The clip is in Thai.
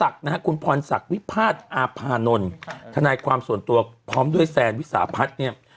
หลักนะฮะคุณพรศักดิ์วิพาทอาพานนท์ทนายความส่วนตัวพร้อมด้วยแซนวิสาพัฒน์เนี่ย